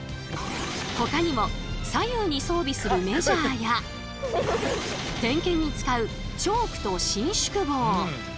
ほかにも左右に装備するメジャーや点検に使うチョークと伸縮棒